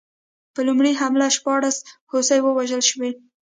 په لومړۍ حمله کې شپاړس هوسۍ ووژل شوې.